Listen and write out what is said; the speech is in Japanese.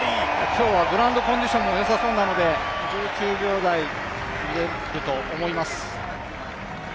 今日はグラウンドコンディションもよさそうなので１９秒台が見れると思います。